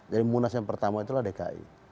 jadi munas yang pertama itulah dki